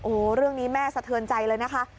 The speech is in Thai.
โอ้โหเรื่องนี้แม่สะเทือนใจเลยนะคะ